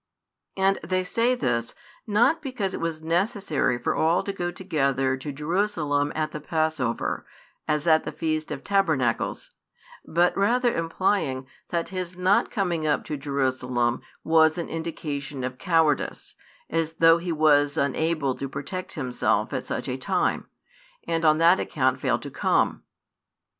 And they say this, not because it was necessary for all to go together to Jerusalem at the passover, as at the feast of Tabernacles, but rather implying that His not coming up to Jerusalem was an indication of cowardice, as though He was unable to protect Himself at such a time, and on that account failed to come.